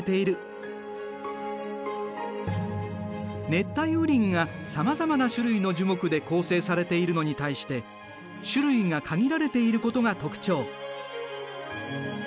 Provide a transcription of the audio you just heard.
熱帯雨林がさまざまな種類の樹木で構成されているのに対して種類が限られていることが特徴。